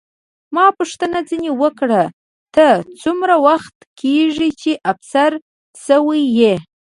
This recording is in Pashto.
ما پوښتنه ځیني وکړه، ته څومره وخت کېږي چې افسر شوې یې؟